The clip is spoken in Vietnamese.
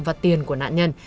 và tiền của nạn nhân